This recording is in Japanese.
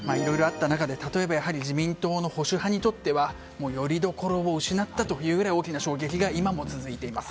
例えば、自民党の保守派にとってよりどころを失ったというくらい大きな衝撃が今も続いています。